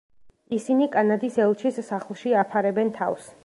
ისინი კანადის ელჩის სახლში აფარებენ თავს.